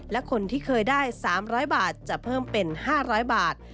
และคนที่เคยได้๓๐๐บาทจะเพิ่มเป็น๕๐๐บาท